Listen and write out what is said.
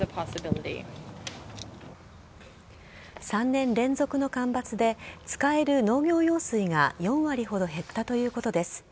３年連続の干ばつで使える農業用水が４割ほど減ったということです。